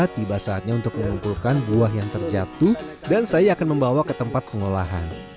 tiba saatnya untuk mengumpulkan buah yang terjatuh dan saya akan membawa ke tempat pengolahan